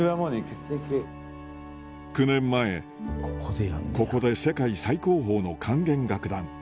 ９年前ここで世界最高峰の管弦楽団